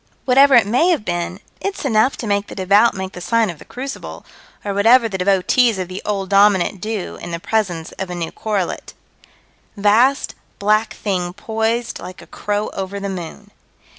Whatever it may have been, it's enough to make the devout make the sign of the crucible, or whatever the devotees of the Old Dominant do in the presence of a new correlate. Vast, black thing poised like a crow over the moon.